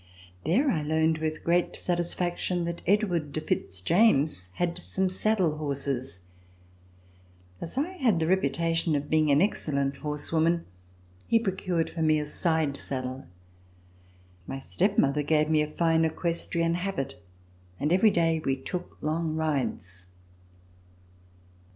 There I learned with great satisfaction that Edward de Fitz James had some saddle horses. As I had the reputation of being an excellent horse woman, he procured for me a side saddle. My step mother gave me a fine equestrian habit. and every day we took long rides.